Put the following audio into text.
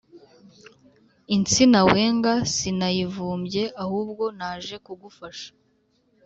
Insina wenga sinayivumbye ahubwo naje kugufasha